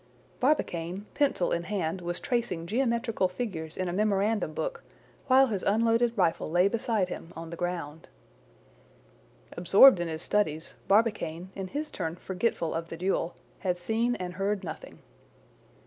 Barbicane, pencil in hand, was tracing geometrical figures in a memorandum book, while his unloaded rifle lay beside him on the ground. Absorbed in his studies, Barbicane, in his turn forgetful of the duel, had seen and heard nothing.